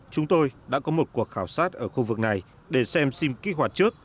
chúng tôi đã có một cuộc khảo sát ở khu vực này để xem sim kích hoạt trước